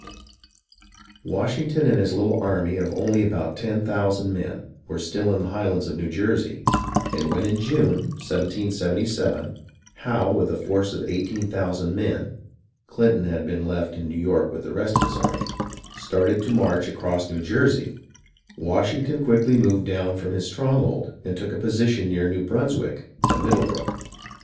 BRANDYWINE AND GERMANTOWN 21 3 Washington and his little army of only about ten thou sand men were still in the highlands of New Jersey, and when in June, 1777, Howe, with a force of eighteen thou sand men (Clinton had been left in New York with the rest of his army), started to march across New Jersey, Washington quickly moved down from his stronghold and took a position near New Brunswick, at Middlebrook.